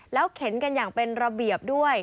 เข็นกันอย่างเป็นระเบียบด้วย